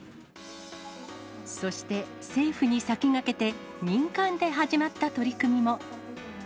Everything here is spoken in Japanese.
そして政府に先駆けて、民間で始まった取り組みも。